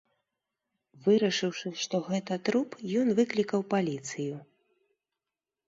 Вырашыўшы, што гэта труп, ён выклікаў паліцыю.